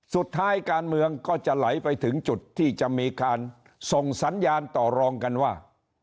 สุดท้ายการเมืองก็จะไหลไปถึงจุดที่จะมีการส่งสัญญาณต่อรองกันว่า